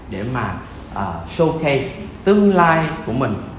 để mà showcase tương lai của mình